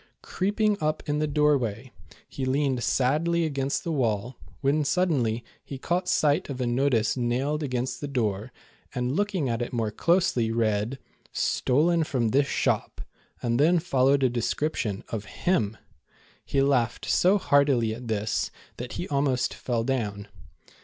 Creeping up in the doorway, he 230 The Bold Bad Bicycle. leaned sadly against the wall, when suddenly he caught sight of a notice nailed against the door, and looking at it more closely read :" Stolen from this shop," and then followed a description of him. He laughed so heartily at this, that he almost fell down.